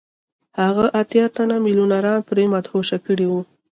هغه اتیا تنه میلیونران پرې مدهوشه کړي وو